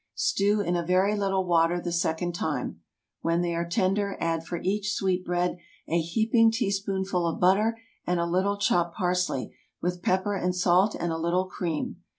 Stew in a very little water the second time. When they are tender, add for each sweet bread a heaping teaspoonful of butter, and a little chopped parsley, with pepper, and salt, and a little cream.